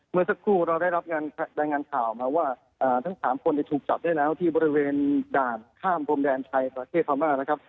เมื่อสักครู่เราได้รับรายงานข่าวมาว่าทั้ง๓คนถูกจับได้แล้วที่บริเวณด่านข้ามพรมแดนไทยประเทศพม่านะครับ